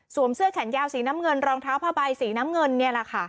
เสื้อแขนยาวสีน้ำเงินรองเท้าผ้าใบสีน้ำเงินนี่แหละค่ะ